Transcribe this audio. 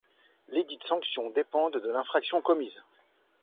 Lesdites sanctions dépendent de l'infraction commise.